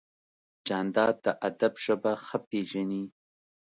جانداد د ادب ژبه ښه پېژني.